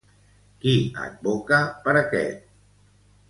Qui advoca per aquest?